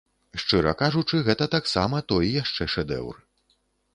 Шчыра кажучы, гэта таксама той яшчэ шэдэўр.